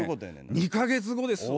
２か月後ですよ。